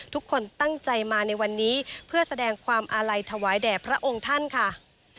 ทุกคนตั้งใจมาในวันนี้เพื่อแสดงความอาลัยถวายแด่พระองค์ท่านค่ะ